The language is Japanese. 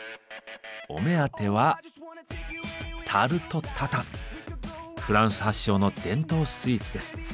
お目当てはフランス発祥の伝統スイーツです。